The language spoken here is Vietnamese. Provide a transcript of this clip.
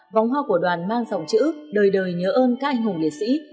vòng hoa của đoàn mang dòng chữ đời đời nhớ ơn các anh hùng liệt sĩ